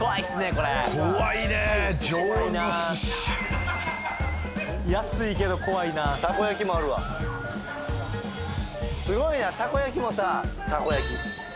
これ怖いね常温の寿司安いけど怖いなすごいなたこ焼きもさたこ焼き